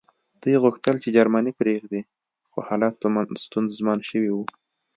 دوی غوښتل چې جرمني پرېږدي خو حالات ستونزمن شوي وو